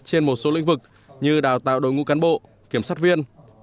trên một số lĩnh vực như đào tạo đội ngũ cán bộ kiểm sát viên